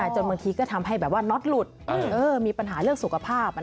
จนบางทีก็ทำให้แบบว่าน็อตหลุดมีปัญหาเรื่องสุขภาพ